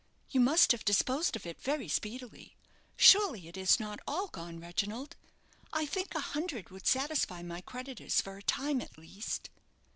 "You must have disposed of it very speedily. Surely, it is not all gone, Reginald. I think a hundred would satisfy my creditors, for a time at least."